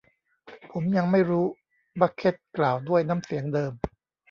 ผมยังไม่รู้ บัคเค็ตกล่าวด้วยน้ำเสียงเดิม